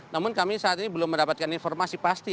namun kami saat ini belum mendapatkan informasi pasti